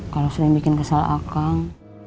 kalo sering bikin kesel akang